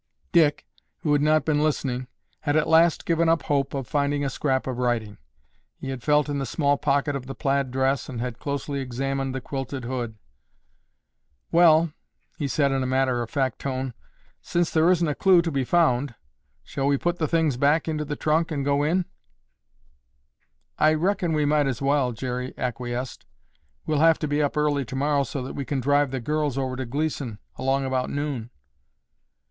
Dick, who had not been listening, had at last given up hope of finding a scrap of writing. He had felt in the small pocket of the plaid dress and had closely examined the quilted hood. "Well," he said in a matter of fact tone, "since there isn't a clue to be found, shall we put the things back into the trunk and go in?" "I reckon we might as well," Jerry acquiesced. "We'll have to be up early tomorrow so that we can drive the girls over to Gleeson along about noon."